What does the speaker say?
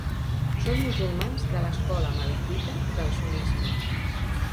Són musulmans de l'escola malikita del sunnisme.